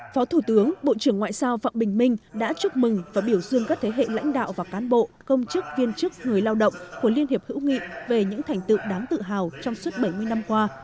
phó thủ tướng bộ trưởng ngoại giao phạm bình minh đã chúc mừng và biểu dương các thế hệ lãnh đạo và cán bộ công chức viên chức người lao động của liên hiệp hữu nghị về những thành tựu đáng tự hào trong suốt bảy mươi năm qua